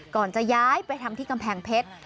ก่อนจะย้ายไปทำที่กำแพงเพชร